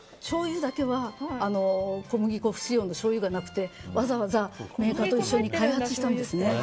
しょうゆだけは小麦粉不使用のしょうゆがなくてわざわざメーカーと一緒に開発したんですね。